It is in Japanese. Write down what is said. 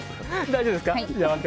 大丈夫ですか。